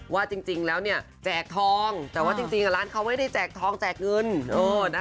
ว่าจริงแล้วเนี่ยแจกทองแต่ว่าจริงร้านเขาไม่ได้แจกทองแจกเงิน